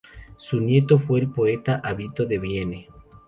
Su nieto fue el poeta Avito de Vienne.